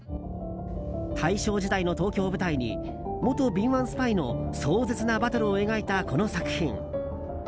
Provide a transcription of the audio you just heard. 大正時代の東京を舞台に元敏腕スパイの壮絶なバトルを描いた、この作品。